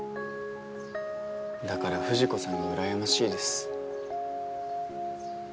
だから藤子さんがうらやましいです。